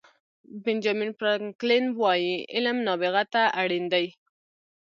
بینجامین فرانکلن وایي علم نابغه ته اړین دی.